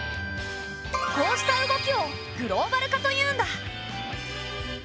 こうした動きをグローバル化というんだ。